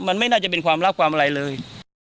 มันไม่น่าจะเป็นความลับความอะไรเลย